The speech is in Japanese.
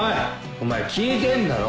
お前聞いてんだろ？